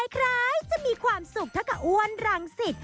คล้ายจะมีความสุขเท่ากับอ้วนรังสิต